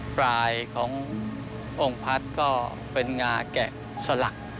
ปลายขององค์พัฒน์ก็เป็นงาแกะสลัก